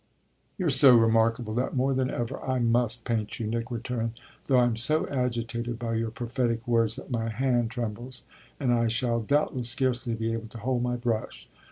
"You're so remarkable that, more than ever, I must paint you," Nick returned, "though I'm so agitated by your prophetic words that my hand trembles and I shall doubtless scarcely be able to hold my brush.